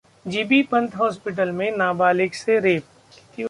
GB Pant hospital में नाबालिग से रेप